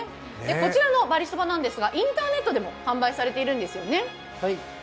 こちらのばりそばですが、インターネットでも販売されているんですよね。